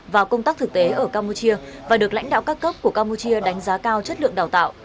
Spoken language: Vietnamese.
vào công tác thực tế ở campuchia và được lãnh đạo các cấp của campuchia đánh giá cao chất lượng đào tạo